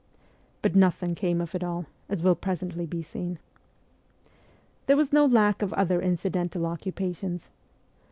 But nothing came of it all, as will presently be seen. There was no lack of other incidental occupations.